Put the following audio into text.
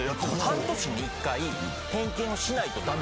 半年に１回点検をしないと駄目。